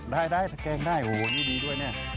ได้สะแกรงได้โอ้โฮนี่ดีด้วยน่ะ